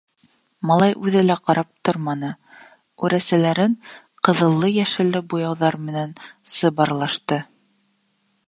Малай үҙе лә ҡарап торманы, үрәсәләрен ҡыҙыллы-йәшелле буяуҙар менән сыбарлашты.